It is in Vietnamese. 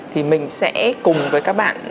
thì mình sẽ cùng với các bạn